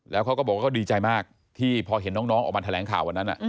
แล้วเขาก็บอกว่าเขาดีใจมากที่พอเห็นน้องออกมาแถลงข่าววันนั้น